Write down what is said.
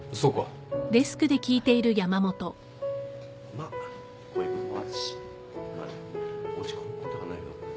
まあこういうこともあるし何落ち込むことはないよ。